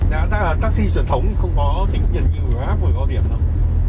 đáng ra là taxi truyền thống không có tính nhiệm như grab có điểm đâu